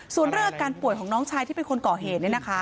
ส่วนเริ่มการปล่วยของน้องชายที่เป็นคนเกาะเหตุ